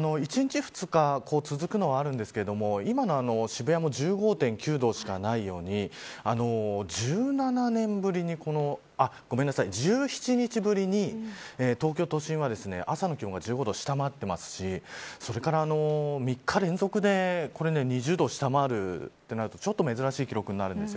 １日２日続くのはあるんですが今の渋谷も１５．９度しかないように１７年ぶりにごめんなさい、１７日ぶりに東京都心は朝の気温が１５度を下回っていますし３日連続で２０度を下回るとなるとちょっと珍しい記録になるんです。